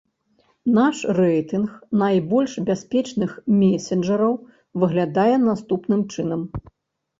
Наш рэйтынг найбольш бяспечных месенджараў выглядае наступным чынам.